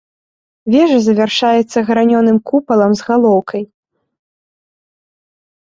Вежа завяршаецца гранёным купалам з галоўкай.